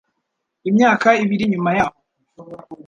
Imyaka ibiri nyuma yaho,